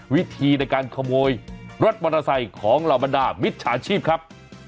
วิธีในการขโมยรถมอเตอร์ไซค์ของเหล่าบรรดามิจฉาชีพครับ